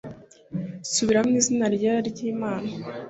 Subiramo Izina ryera ryImana